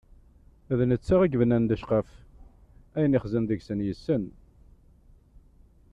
D netta i yebnan lecqaf, ayen ixzen deg-sen yessen.